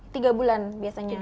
tiga bulan biasanya